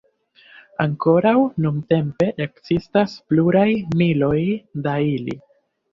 Ankoraŭ nuntempe ekzistas pluraj miloj da ili.